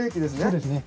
そうですね。